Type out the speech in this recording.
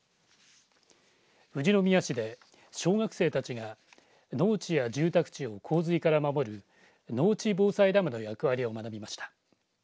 富士宮市で小学生たちが農地や住宅地を洪水から守る農地防災ダムの役割を学びました。